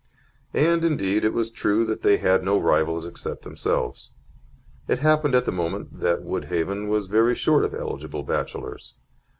And, indeed, it was true that they had no rivals except themselves. It happened at the moment that Woodhaven was very short of eligible bachelors.